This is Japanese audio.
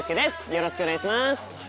よろしくお願いします。